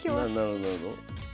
なるほどなるほど。